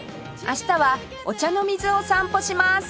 明日は御茶ノ水を散歩します